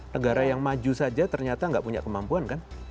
negara yang maju saja ternyata nggak punya kemampuan kan